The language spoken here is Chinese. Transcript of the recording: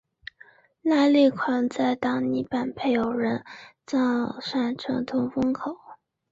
拉力款在挡泥板配有人造刹车通风孔。